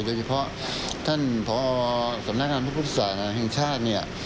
โดยเฉพาะท่านพอสำนักงานพระพุทธศาสนาแห่งชาติเนี่ย